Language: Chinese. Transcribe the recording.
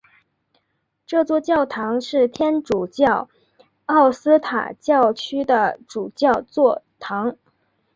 这座教堂是天主教奥斯塔教区的主教座堂。